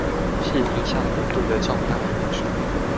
是影響鹽度的重大因素